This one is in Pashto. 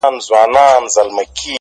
• دومره مړه کي په ښارونو کي وګړي ,